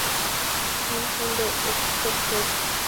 Һәм шундай эскерһеҙ.